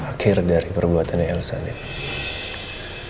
akhir dari perbuatan elsa nino